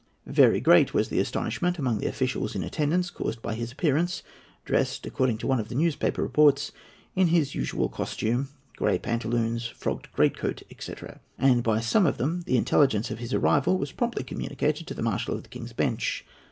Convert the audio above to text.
Very great was the astonishment among the officials in attendance caused by his appearance, "dressed," according to one of the newspaper reports, "in his usual costume, grey pantaloons, frogged great coat, &c." and by some of them the intelligence of his arrival was promptly communicated to the Marshal of the King's Bench.